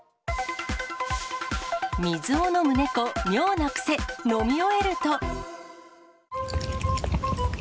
水を飲む猫、妙な癖、飲み終えると。